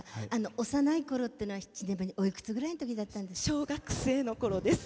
幼いころっていうのは、ちなみにおいくつぐらいのとき小学生のころです。